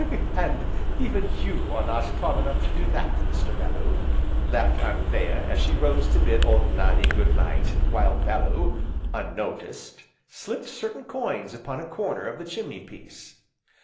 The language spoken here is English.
"And even you are not tall enough to do that, Mr. Bellew!" laughed Anthea, as she rose to bid Old Nannie "Good night," while Bellew, unnoticed, slipped certain coins upon a corner of the chimney piece.